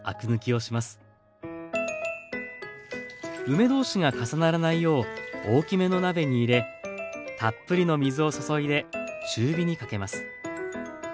梅同士が重ならないよう大きめの鍋に入れたっぷりの水を注いで中火にかけます。